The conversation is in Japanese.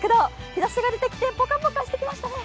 日ざしが出てきてポカポカしてきましたね。